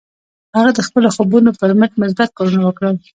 هغه د خپلو خوبونو پر مټ مثبت کارونه وکړل